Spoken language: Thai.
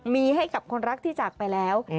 มีให้กับคนรักที่จากไปแล้ว